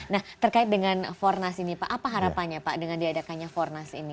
nah terkait dengan fornas ini pak apa harapannya pak dengan diadakannya fornas ini